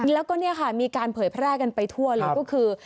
แล้วก็มีการเผยแพร่กันไปทั่วเลยก็คือ